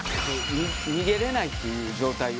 逃げれないっていう状態を。